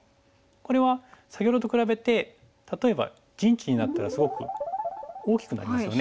これは先ほどと比べて例えば陣地になったらすごく大きくなりますよね。